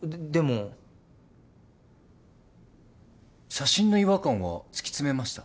写真の違和感は突き詰めました？